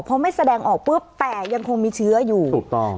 พอไม่แสดงออกปุ๊บแต่ยังคงมีเชื้ออยู่ถูกต้อง